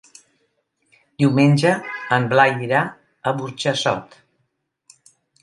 Diumenge en Blai irà a Burjassot.